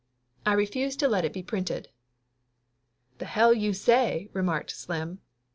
I refuse to let it be printed." "The hell you say!" remarked Slim.